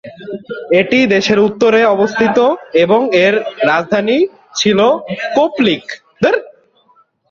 এটি দেশের উত্তরে অবস্থিত এবং এর রাজধানী ছিল কোপ্লিক।